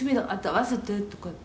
会わせて”とかって」